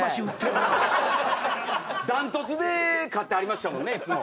断トツで勝ってはりましたもんねいつも。